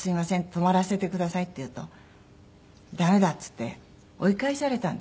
「泊まらせてください」って言うと駄目だっていって追い返されたんですって。